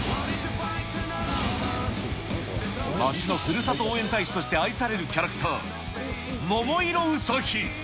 町のふるさと応援大使として愛されるキャラクター、桃色ウサヒ。